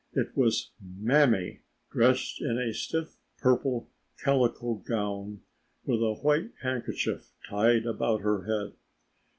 It was "Mammy," dressed in a stiff purple calico gown with a white handkerchief tied about her head.